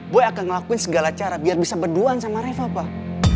gue akan ngelakuin segala cara biar bisa berduaan sama reva pak